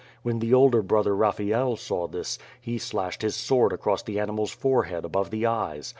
When the older brother Kaphael saw this, he slashed his sword across the animaPs forehead above the eyes.